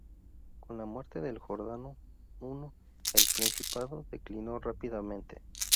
Con la muerte de Jordano I, el principado declinó rápidamente.